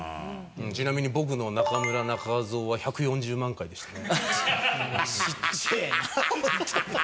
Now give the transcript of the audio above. ちなみに僕の中村仲蔵は１４０万回でしたね。